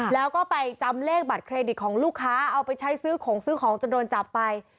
แล้วก็ไปจำเลขบัตรเครดิตของลูกค้าเอาไปใช้ซื้อของซื้อของจนโดนจับไป